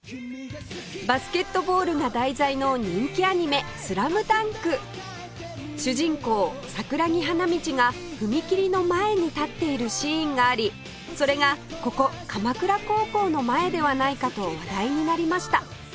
バスケットボールが題材の人気アニメ『ＳＬＡＭＤＵＮＫ』主人公桜木花道が踏切の前に立っているシーンがありそれがここ鎌倉高校の前ではないかと話題になりました